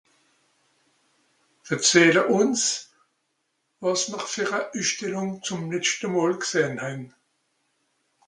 verzähle uns wàsn'r ver a üsstellung zum letschte mol g'sähn hän